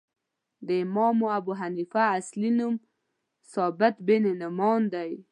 د امام ابو حنیفه اصلی نوم ثابت بن نعمان دی .